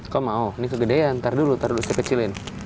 kok mau ini kegedean ntar dulu saya kecilin